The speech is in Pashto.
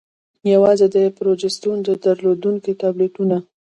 يوازې د پروجسترون درلودونكي ټابليټونه: